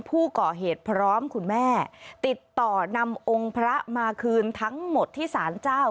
ผู้ก่อเหตุพร้อมคุณแม่ติดต่อนำองค์พระมาคืนทั้งหมดที่สารเจ้า